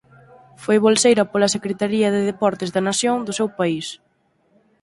Foi bolseira pola Secretaría de Deportes da Nación do seu país.